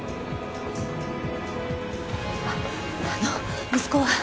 ・あっあの息子は？